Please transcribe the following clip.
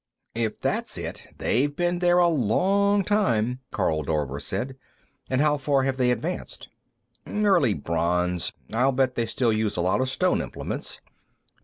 "If that's it, they've been there a long time," Karl Dorver said. "And how far have they advanced?" "Early bronze; I'll bet they still use a lot of stone implements.